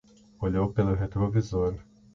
Olhou pelo retrovisor